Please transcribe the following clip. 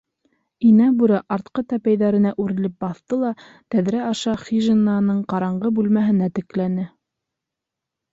— Инә Бүре артҡы тәпәйҙәренә үрелеп баҫты ла тәҙрә аша хижинаның ҡараңғы бүлмәһенә текләне.